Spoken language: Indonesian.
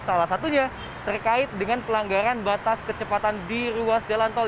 salah satunya terkait dengan pelanggaran batas kecepatan di ruas jalan tol